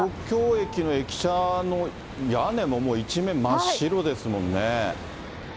東京駅の駅舎の屋根ももう一面真っ白ですもんね。